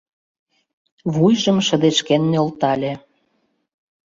— Вуйжым шыдешкен нӧлтале.